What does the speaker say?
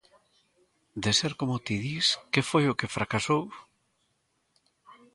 De ser como ti dis, que foi o que fracasou?